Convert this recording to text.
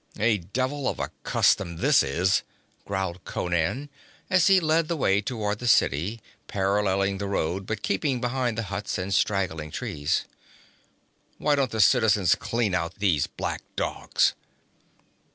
'A devil of a custom this is!' growled Conan, as he led the way toward the city, paralleling the road but keeping behind the huts and straggling trees. 'Why don't the citizens clean out these black dogs?'